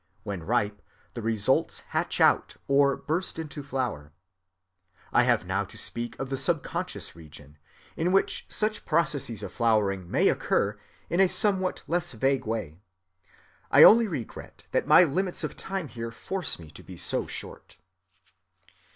When ripe, the results hatch out, or burst into flower. I have now to speak of the subconscious region, in which such processes of flowering may occur, in a somewhat less vague way. I only regret that my limits of time here force me to be so short.